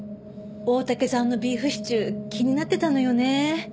大竹さんのビーフシチュー気になってたのよね。